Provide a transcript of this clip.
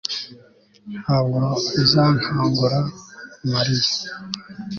Ntabwo bizankangura Mariya